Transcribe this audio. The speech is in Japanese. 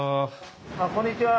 あっこんにちは。